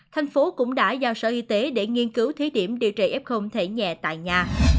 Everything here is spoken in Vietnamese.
thành phố cũng đã giao sở y tế để nghiên cứu thí điểm điều trị f thể nhẹ tại nhà